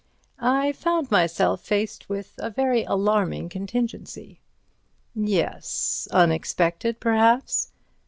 "I found myself faced with a very alarming contingency." "Yes. Unexpectedly, perhaps."